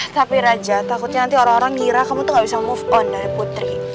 tapi raja takutnya nanti orang orang gira kamu tuh gak bisa move on dari putri